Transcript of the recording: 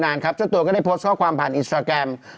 น้ำชาชีวนัทครับผมโพสต์ขอโทษทำเข้าใจผิดหวังคำเวพรเป็นจริงนะครับ